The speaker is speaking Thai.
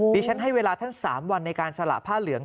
ฉันให้เวลาท่าน๓วันในการสละผ้าเหลือง